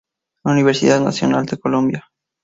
Universidad Nacional de Colombia.